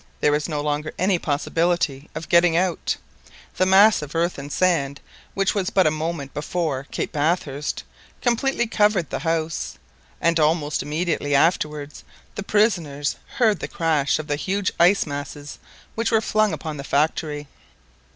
There was no longer any possibility of getting out, the mass of earth and sand, which was but a moment before Cape Bathurst, completely covered the house, and almost immediately afterwards the prisoners heard the crash of the huge ice masses which were flung upon the factory.